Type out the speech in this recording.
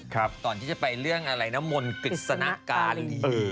ก่อนที่จะไปเรื่องอะไรนะมลศิษย์ศนการี